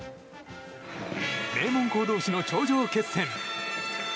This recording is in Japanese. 名門校同士の頂上決戦。